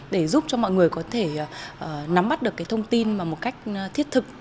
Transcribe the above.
để giúp cho mọi người có thể nắm bắt được cái thông tin một cách thiết thực